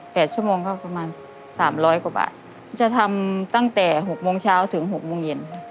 ชั่วโมงก็ประมาณสามร้อยกว่าบาทจะทำตั้งแต่หกโมงเช้าถึงหกโมงเย็นค่ะ